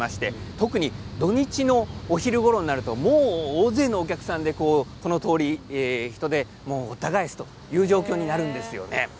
特に土日のお昼ごろになりますと大勢のお客さんでこのとおり人でごった返すという状況になります。